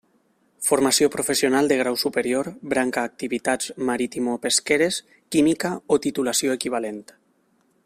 Formació professional de grau superior, branca activitats maritimopesqueres, química, o titulació equivalent.